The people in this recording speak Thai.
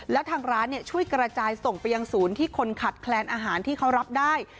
แล้วทางร้านช่วยกระจายส่งไปยังศูนย์ที่คนขาดแคลนอาหารที่เขารับได้